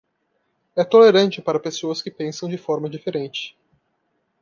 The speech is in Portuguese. É tolerante para pessoas que pensam de forma diferente.